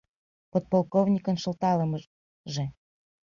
Подполковникын шылталымыже?